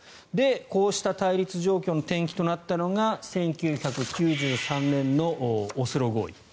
こうした対立状況の転機となったのが１９９３年のオスロ合意。